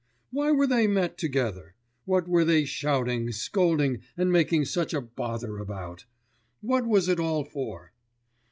Why were they met together? What were they shouting, scolding, and making such a pother about? What was it all for?